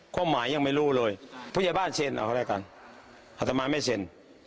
ความหมายยังไม่รู้เลยผู้ใหญ่บ้านเซ็นเอาแล้วกันอัตมาไม่เซ็น